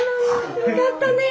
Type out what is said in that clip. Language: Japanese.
よかったねえ。